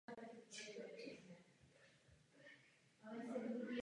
Jde o jediné větší sídlo založené nově na území dnešního Izraele během arabské vlády.